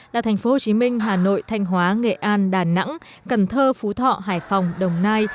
là tp hcm hà nội thanh hóa nghệ an đà nẵng cần thơ phú thọ hải phòng đồng nai